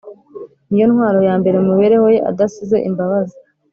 niyo ntwaro yambere mu mibereho ye adasize imbabazi,